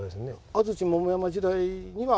安土桃山時代にはもう。